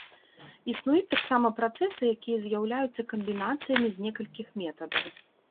Існуюць таксама працэсы, якія з'яўляюцца камбінацыямі з некалькіх метадаў.